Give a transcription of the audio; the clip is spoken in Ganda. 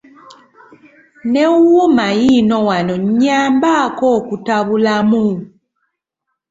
Ne wuuma yiino wano nnyambaako okutabulamu.